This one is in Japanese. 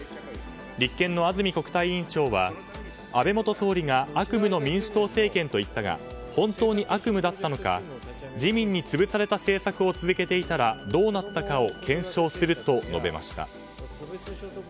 立憲の安住国対委員長は安倍元総理が悪夢の民主党政権と言ったが本当に悪夢だったのか自民に潰された政策を続けていたらどうなったかを検証すると述べました。